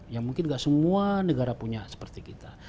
ya mungkin gak semua negara punya seperti kita